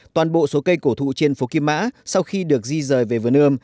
toàn bộ số cây cổ thụ trên phố kim mã sau khi được di rời về vườn ươm